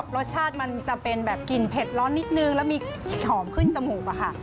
รสชาติมันจะเป็นแบบกลิ่นเผ็ดร้อนนิดนึงแล้วมีหอมขึ้นจมูกอะค่ะ